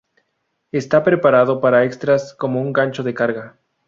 Está preparado para extras como un gancho de carga.